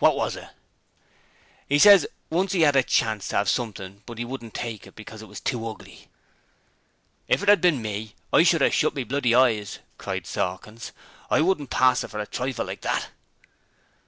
What was it?' ''E ses 'e once 'ad a chance to 'ave something but 'e wouldn't take it on because it was too ugly!' 'If it 'ad bin me, I should 'ave shut me bl y eyes,' cried Sawkins. 'I wouldn't pass it for a trifle like that.'